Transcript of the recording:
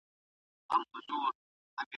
ثمر ګل په خاموشۍ سره خپله پیاله وڅښله.